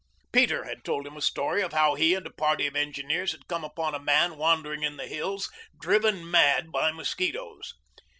Peter had told him a story of how he and a party of engineers had come upon a man wandering in the hills, driven mad by mosquitoes.